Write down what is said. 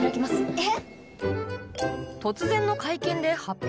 えっ？